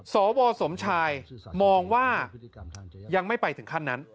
สวสมชายมองว่ายังไม่ไปถึงขั้นนั้น